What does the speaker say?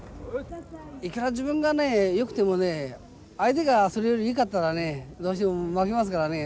いくら自分がよくてもね相手がそれよりいかったらねどうしても負けますからね。